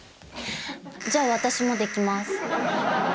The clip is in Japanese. じゃあ、私もできます。